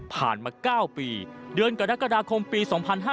ผ่านมา๙ปีเดือนกรกฎาคมปี๒๕๖๒